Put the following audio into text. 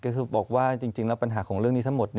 ก็คือบอกว่าจริงแล้วปัญหาของเรื่องนี้ทั้งหมด